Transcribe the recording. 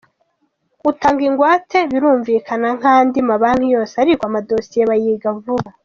Utanga ingwate birumvikana nk’andi mabanki yose, ariko amadosiye bayiga vuba.